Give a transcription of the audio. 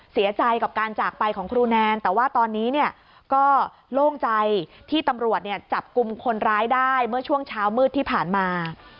เสียใจกับการจากไปของครูแนนแต่ว่าตอนนี้เนี่ยก็โล่งใจที่ตำรวจจับกลุ่มคนร้ายได้เมื่อช่วงเช้ามืดที่ผ่านมา